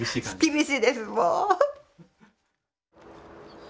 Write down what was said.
厳しいですもう。